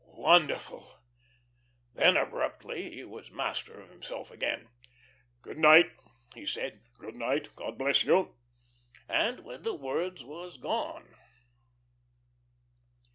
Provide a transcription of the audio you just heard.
Wonderful!" Then abruptly he was master of himself again. "Good night," he said. "Good night. God bless you," and with the words was gone.